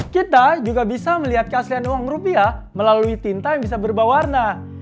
kita juga bisa melihat keaslian uang rupiah melalui tinta yang bisa berubah warna